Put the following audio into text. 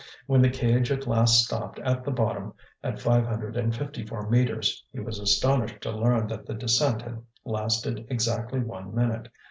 When the cage at last stopped at the bottom, at five hundred and fifty four metres, he was astonished to learn that the descent had lasted exactly one minute.